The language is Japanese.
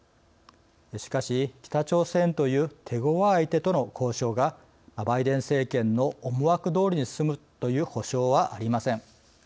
しかし北朝鮮という手ごわい相手との交渉がバイデン政権の思惑どおりに進むという保証はありません。